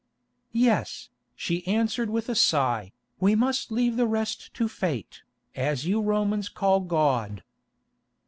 "Yes," she answered with a sigh, "we must leave the rest to fate, as you Romans call God."